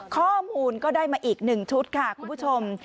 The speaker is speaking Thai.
ข้อมูลก็ได้มาอีก๑ชุดค่ะคุณผู้ชม